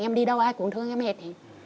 em đi đâu ai cũng thương em hết